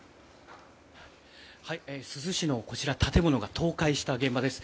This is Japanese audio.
珠洲市の建物が倒壊した現場です。